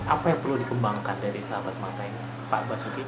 apa yang perlu dikembangkan dari sahabat mata ini